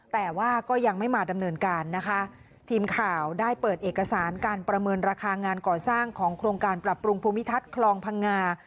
แต่ว่าก็ยังไม่มาดำเนินการนะคะทีมข่าวได้เปิดเอกสารการประเมินราคางานก่อสร้างของโครงการปรับปรุงภูมิทัศน์คลองพังงา